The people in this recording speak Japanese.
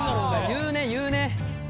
言うね言うね。